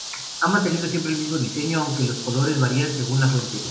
Ha mantenido siempre el mismo diseño, aunque los colores varían según la fuente.